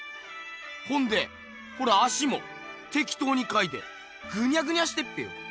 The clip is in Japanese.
ほんでこの足もてきとうにかいてぐにゃぐにゃしてっぺよ。